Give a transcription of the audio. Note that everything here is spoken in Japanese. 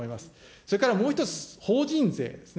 それからもう一つ、法人税ですね。